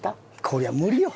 こりゃ無理よ。